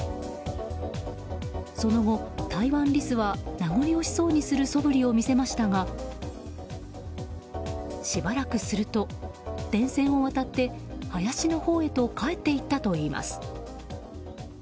その後、タイワンリスは名残惜しそうにするそぶりを見せましたがしばらくすると電線を渡って林のほうへと帰って行ったといいます。